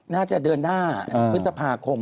น่าจะเดือนหน้าพฤษภาคม